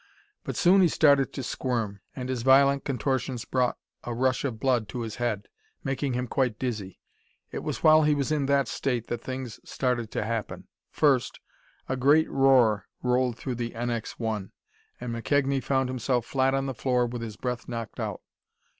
But soon he started to squirm, and his violent contortions brought a rush of blood to his head, making him quite dizzy. It was while he was in that state that things started to happen. First, a great roar rolled through the NX 1, and McKegnie found himself flat on the floor with his breath knocked out.